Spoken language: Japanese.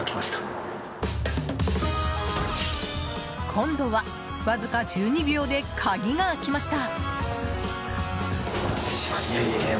今度は、わずか１２秒で鍵が開きました。